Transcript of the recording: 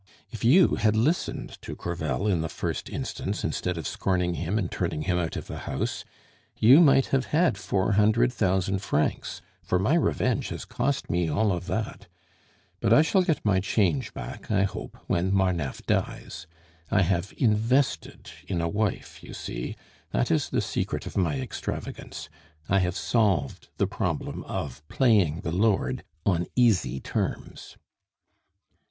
"If you had listened to Crevel in the first instance, instead of scorning him and turning him out of the house, you might have had four hundred thousand francs, for my revenge has cost me all of that. But I shall get my change back, I hope, when Marneffe dies I have invested in a wife, you see; that is the secret of my extravagance. I have solved the problem of playing the lord on easy terms."